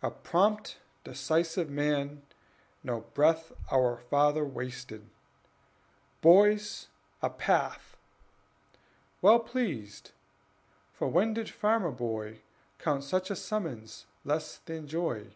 A prompt, decisive man, no breath Our father wasted: "Boys, a path!" Well pleased, (for when did farmer boy Count such a summons less than joy?)